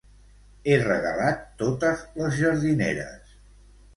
He regalat totes les jardineres